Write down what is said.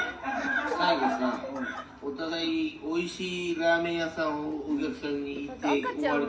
最後さお互い美味しいラーメン屋さんをお客さんに言って終わり。